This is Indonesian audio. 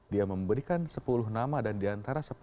dia memberikan sepuluh nama dan diantara sepuluh